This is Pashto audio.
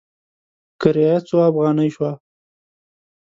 کرایه څو افغانې شوه؟